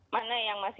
mana yang masih